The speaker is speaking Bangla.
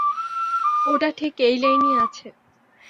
ওটা ঠিক এই লাইনেই আছে।